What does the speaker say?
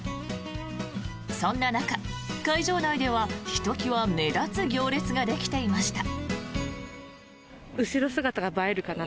そんな中、会場内ではひときわ目立つ行列ができていました。